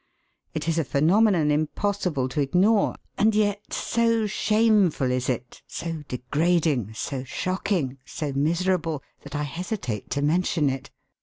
It is a phenomenon impossible to ignore, and yet, so shameful is it, so degrading, so shocking, so miserable, that I hesitate to mention it.